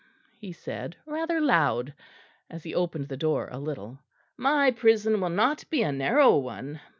he said, rather loud, as he opened the door a little, "my prison will not be a narrow one."